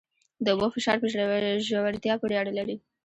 د اوبو فشار په ژورتیا پورې اړه لري.